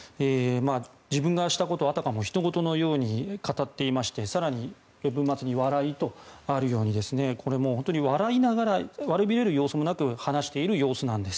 自分がしたことをあたかも、ひと事のように語っていまして更に文末に笑いとあるようにこれも本当に笑いながら悪びれる様子もなく話している様子なんです。